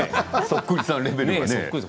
そっくりさんレベルが。